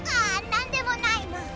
なんでもないの！